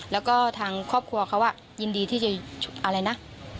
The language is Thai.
แล้วก็ทางครอบครัวเขายินดีที่จะอะไรนะ